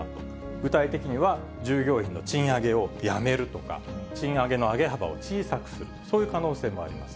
具体的には、従業員の賃上げをやめるとか、賃上げの上げ幅を小さくする、そういう可能性もあります。